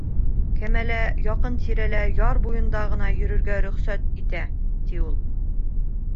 Кәмәлә яҡын-тирәлә, яр буйында ғына йөрөргә рөхсәт итә, ти, ул.